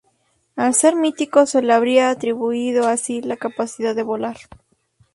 Al ser mítico se le habría atribuido así la capacidad de volar.